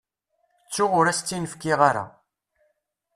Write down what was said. Ttuɣ ur as-tt-in-fkiɣ ara.